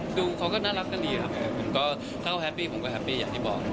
เขาก็น่ารักกันดีครับผมก็ถ้าเขาแฮปปี้ผมก็แฮปปี้อย่างที่บอก